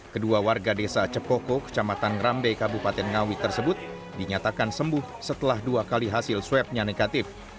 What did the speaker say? kedua warga desa cepoko kecamatan rambe kabupaten ngawi tersebut dinyatakan sembuh setelah dua kali hasil swabnya negatif